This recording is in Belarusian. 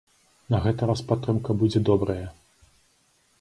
На гэты раз падтрымка будзе добрая.